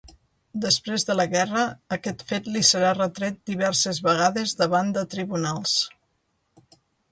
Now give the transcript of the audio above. Després de la guerra, aquest fet li serà retret diverses vegades davant de tribunals.